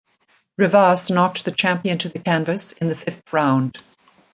Rivas knocked the champion to the canvas in the fifth round.